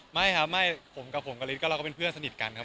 ไม่ครับผมกับสายรปคลิกก็เราเป็นเพื่อนสนิทกันครับ